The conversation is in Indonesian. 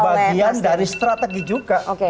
segala sesuatu itu bagian dari strategi juga